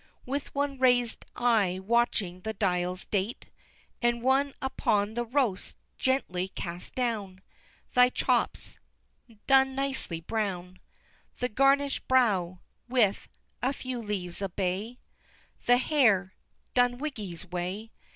With one rais'd eye watching the dial's date, And one upon the roast, gently cast down Thy chops done nicely brown The garnish'd brow with "a few leaves of bay" The hair "done Wiggy's way!"